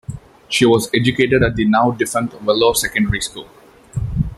She was educated at the now defunct Willow Secondary School.